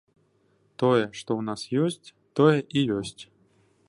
Тое, што ў нас ёсць, тое і ёсць.